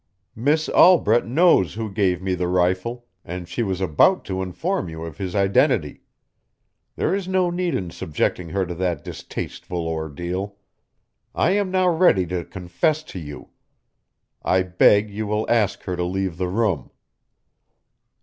Miss Albret knows who gave me the rifle, and she was about to inform you of his identity. There is no need in subjecting her to that distasteful ordeal. I am now ready to confess to you. I beg you will ask her to leave the room."